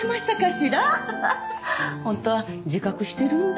本当は自覚してるんだ。